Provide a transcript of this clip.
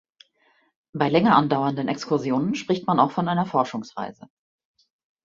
Bei länger andauernden Exkursionen spricht man auch von einer Forschungsreise.